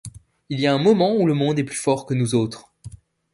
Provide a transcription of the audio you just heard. Il y a un moment où le monde est plus fort que nous autres!